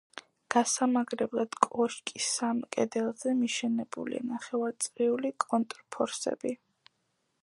გასამაგრებლად კოშკის სამ კედელზე მიშენებულია ნახევარწრიული კონტრფორსები.